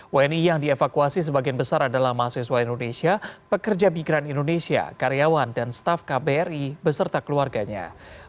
wni yang dievakuasi sebagian besar adalah mahasiswa indonesia pekerja migran indonesia karyawan dan staff kbri beserta keluarganya